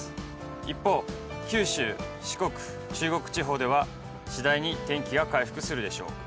一方、九州、四国、中国地方ではしだいに天気が回復するでしょう。